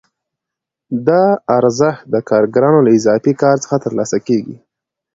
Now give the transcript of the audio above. دا ارزښت د کارګرانو له اضافي کار څخه ترلاسه کېږي